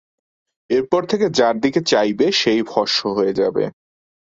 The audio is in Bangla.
এরপর থেকে যার দিকে চাইবে, সে-ই ভস্ম হয়ে যাবে!